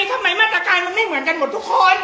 ทำไมมาตรการมันไม่เหมือนกันหมดทุกคน